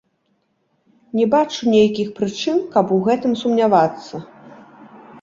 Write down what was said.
Не бачу нейкіх прычын, каб у гэтым сумнявацца.